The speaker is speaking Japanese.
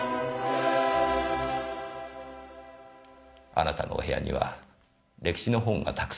あなたのお部屋には歴史の本がたくさんありました。